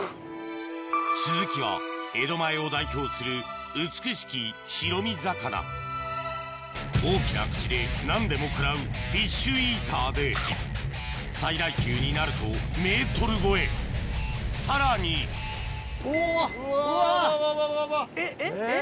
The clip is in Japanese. スズキは江戸前を代表する美しき白身魚大きな口で何でも食らうフィッシュイーターで最大級になるとメートル超えさらにおぉ。